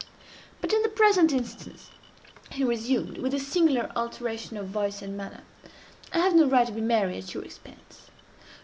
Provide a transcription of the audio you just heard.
But in the present instance," he resumed, with a singular alteration of voice and manner, "I have no right to be merry at your expense.